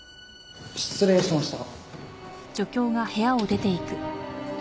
失礼しました。